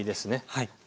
はい。